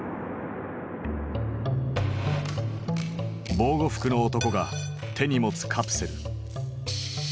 防護服の男が手に持つカプセル。